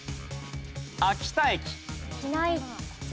秋田駅。